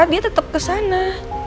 dia tetap ke sana